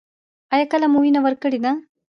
ایا کله مو وینه ورکړې ده؟